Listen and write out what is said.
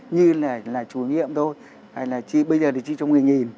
như là chủ nghiệm thôi hay là chi bây giờ thì chi cho mỗi người một